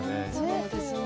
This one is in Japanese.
そうですね。